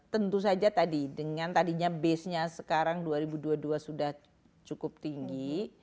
tentu saja tadi dengan tadinya base nya sekarang dua ribu dua puluh dua sudah cukup tinggi